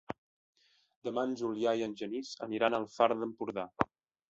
Demà en Julià i en Genís aniran al Far d'Empordà.